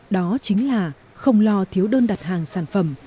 đó chính là không lo thiếu đơn đặt hàng sản phẩm